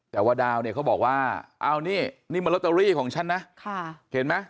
แต่ว่าดาวเนี่ยเขาบอกว่าเอานี่นี่มันลอตเตอรี่ของฉันนะเห็นไหม